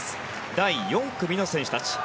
第４組の選手たち。